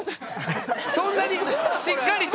そんなにしっかりと？